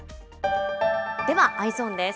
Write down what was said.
では、Ｅｙｅｓｏｎです。